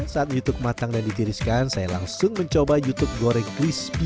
saat youtube matang dan ditiriskan saya langsung mencoba youtube goreng crispy